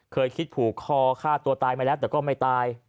เคยคิดผูกคอหลานตัวแต่มีตายมาแล้วแต่ไม่ตาย